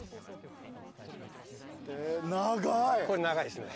これ長いですね。